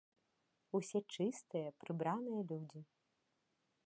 Усё чыстыя, прыбраныя людзі.